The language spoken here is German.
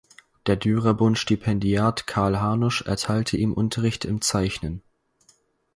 Der Dürerbund-Stipendiat Karl Hanusch erteilte ihm Unterricht im Zeichnen.